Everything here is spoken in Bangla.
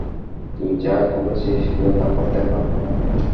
তুই যা করেছিস, কেউ তা করতে পারতো না।